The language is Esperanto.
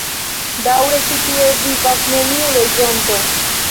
Daŭre ĉi tie vivas neniu loĝanto.